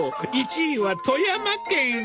１位は富山県！